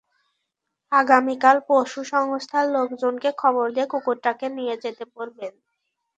আগামীকাল পশু সংস্থার লোকজনকে খবর দিয়ে কুকুরটাকে নিয়ে যেতে বলবেন।